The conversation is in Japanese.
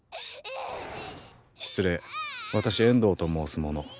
失礼私遠藤と申す者。